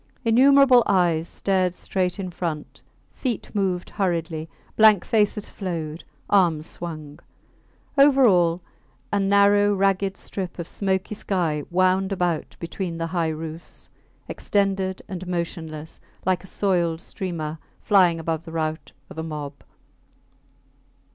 Innumerable eyes stared straight in front, feet moved hurriedly, blank faces flowed, arms swung. Over all, a narrow ragged strip of smoky sky wound about between the high roofs, extended and motionless, like a soiled streamer flying above the rout of a mob.